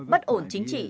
bất ổn chính trị